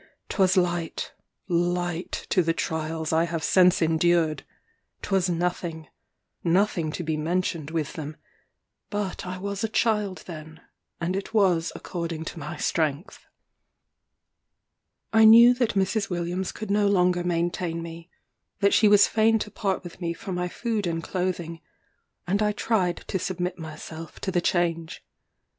'twas light, light to the trials I have since endured! 'twas nothing nothing to be mentioned with them; but I was a child then, and it was according to my strength. I knew that Mrs. Williams could no longer maintain me; that she was fain to part with me for my food and clothing; and I tried to submit myself to the change.